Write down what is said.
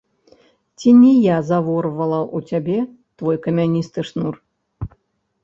Ці не я заворвала ў цябе твой камяністы шнур?